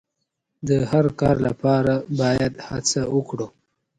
د هر کار لپاره باید هڅه وکړو.